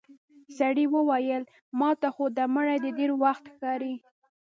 سړي وويل: ماته خو دا مړی د ډېر وخت ښکاري.